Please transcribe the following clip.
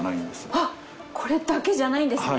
これだけじゃないんですね。